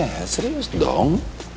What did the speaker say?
ya serius dong